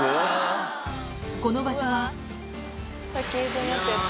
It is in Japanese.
この場所は。